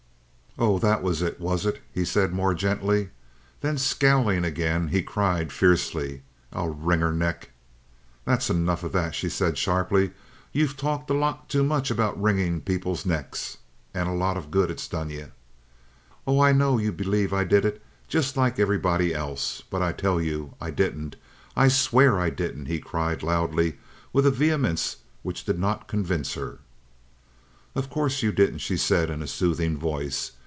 "Oh, that was it, was it?" he said more gently. Then, scowling again, he cried fiercely: "I'll wring her neck!" "That's enough of that!" she said sharply. "You've talked a lot too much about wringing people's necks. And a lot of good it's done you." "Oh, I know you believe I did it, just like everybody else. But I tell you I didn't. I swear I didn't!" he cried loudly, with a vehemence which did not convince her. "Of course you didn't," she said in a soothing voice.